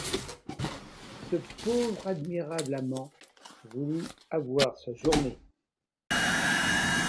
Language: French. Ce pauvre admirable amant voulut avoir sa journée!